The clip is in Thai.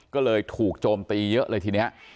ก็เลยถูกโจมตีเยอะเลยทีนี้